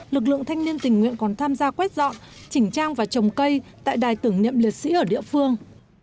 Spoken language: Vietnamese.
lực lượng thanh niên tình nguyện còn tham gia quét dọn chỉnh trang và trồng cây tại đài tưởng niệm liệt sĩ ở địa phương